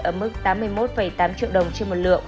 ở mức tám mươi một tám triệu đồng trên một lượng